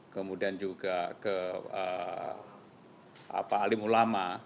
kemudian juga ke alim ulama